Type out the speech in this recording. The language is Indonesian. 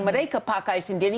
mereka pakai sendiri